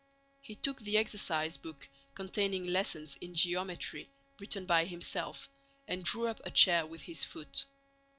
He took the exercise book containing lessons in geometry written by himself and drew up a chair with his foot.